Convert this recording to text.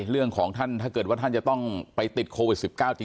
เรื่องของท่านถ้าเกิดว่าท่านจะต้องไปติดโควิด๑๙จริง